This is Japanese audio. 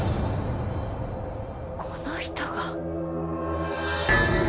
この人が！